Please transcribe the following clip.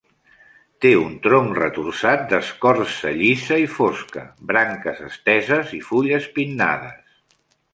Té un tronc retorçat d'escorça llisa i fosca, branques esteses i fulles pinnades